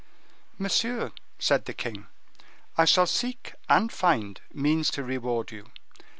"Monsieur," said the king, "I shall seek and find means to reward you."